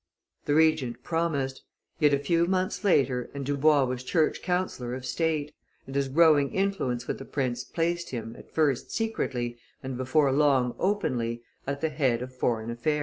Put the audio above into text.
The Regent promised; yet a few months later and Dubois was Church councillor of State, and his growing influence with the prince placed him, at first secretly, and before long openly, at the head of foreign affairs.